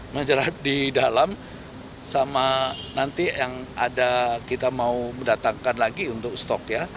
menjerat di dalam sama nanti yang ada kita mau mendatangkan lagi untuk stok ya